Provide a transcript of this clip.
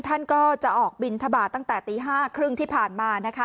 ท่านก็จะออกบินทบาทตั้งแต่ตี๕๓๐ที่ผ่านมานะคะ